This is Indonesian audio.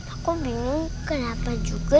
aku bingung kenapa juga